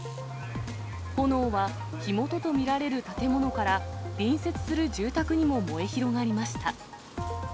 炎は、火元と見られる建物から隣接する住宅にも燃え広がりました。